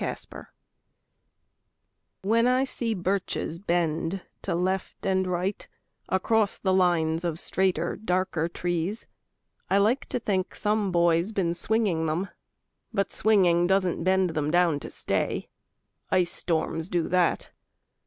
BIRCHES When I see birches bend to left and right Across the lines of straighter darker trees, I like to think some boy's been swinging them. But swinging doesn't bend them down to stay. Ice storms do that.